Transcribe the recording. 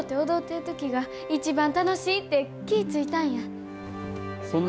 歌って踊ってるときが一番楽しいって気いついたんや。